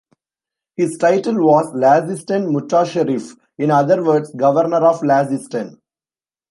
His title was "Lazistan Mutasserif"; in other words "Governor of Lazistan".